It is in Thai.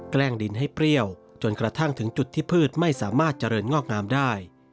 แกล้งดินให้เปรี้ยวจนกระทั่งถึงจุดที่พืชไม่สามารถเจริญงอกงามได้